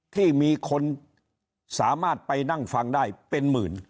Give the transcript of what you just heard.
ที่มีคนสามารถไปนั่งฟังได้เป็นหมื่น